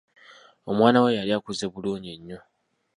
Omwana we yali akuze bulungi nnyo.